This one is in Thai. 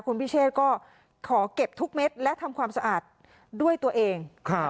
คุณพิเชษก็ขอเก็บทุกเม็ดและทำความสะอาดด้วยตัวเอง